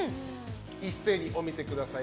一斉にお見せください。